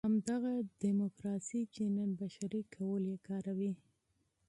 همدغه ډیموکراسي چې نن بشري کهول یې کاروي.